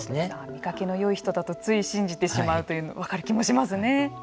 見かけのよい人だとつい信じてしまうというのは分かる気がしますね。